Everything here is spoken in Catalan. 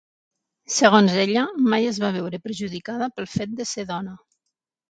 Segons ella mai es va veure perjudicada pel fet de ser dona.